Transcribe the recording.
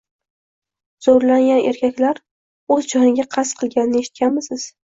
Zo'rlangan erkaklar o'z joniga qasd qilganini eshitganmisiz?